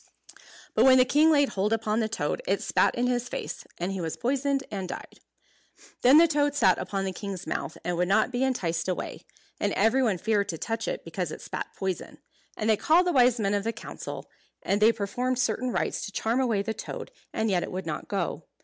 But when the king laid hold upon the toad, it spat in his face; and he was poisoned and died. Then the toad sat upon the king's mouth, and would not be enticed away. And every one feared to touch it because it spat poison. And they called the wise men of the council; and they performed certain rites to charm away the toad, and yet it would not go.